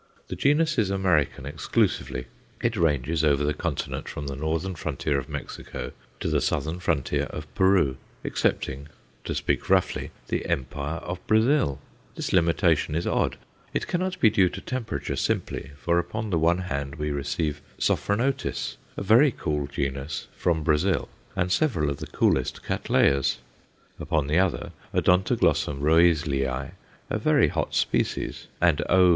The genus is American exclusively. It ranges over the continent from the northern frontier of Mexico to the southern frontier of Peru, excepting, to speak roughly, the empire of Brazil. This limitation is odd. It cannot be due to temperature simply, for, upon the one hand, we receive Sophronitis, a very cool genus, from Brazil, and several of the coolest Cattleyas; upon the other, Odontoglossum Roezlii, a very hot species, and _O.